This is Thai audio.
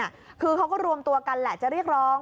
คือเขาก็รวมตัวกันแหละจะเรียกร้อง